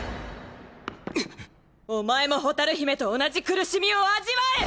お前も蛍姫と同じ苦しみを味わえ！